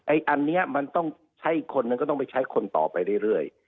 อันนี้มันต้องใช้อีกคนนึงก็ต้องไปใช้คนต่อไปเรื่อย